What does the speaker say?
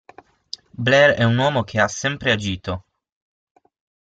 Blair è un uomo che ha sempre agito.